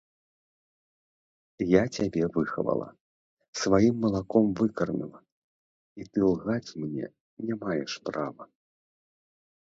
Я цябе выхавала, сваім малаком выкарміла, і ты лгаць мне не маеш права.